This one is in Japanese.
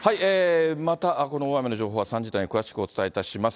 またこの大雨の情報は、３時台に詳しくお伝えいたします。